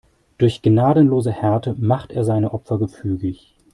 Durch gnadenlose Härte macht er seine Opfer gefügig.